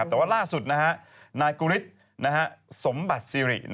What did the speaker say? แต่ว่าล่าสุดนะครับนายกุฤษสมบัติสิริ